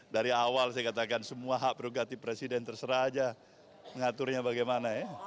dari awal saya katakan semua hak prerogatif presiden terserah aja mengaturnya bagaimana ya